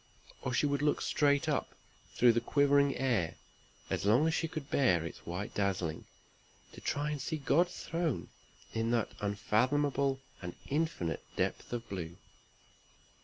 Or she would look straight up through the quivering air, as long as she could bear its white dazzling, to try and see God's throne in that unfathomable and infinite depth of blue.